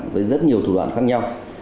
với rất nhiều thủ đoạn khác nhau